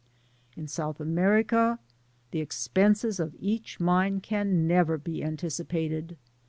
In South America the expenses of each mine can never be anticipated.